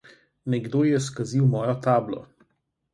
Nekdo je skazil mojo tablo.